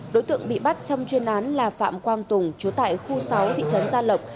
đối tượng bị bắt trong chuyên án là phạm quang tùng chú tại khu sáu thị trấn gia lộc